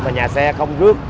nhà xe không rước